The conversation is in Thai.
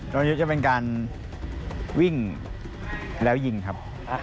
โรงเรียนจะเป็นการวิ่งแล้วยิงครับ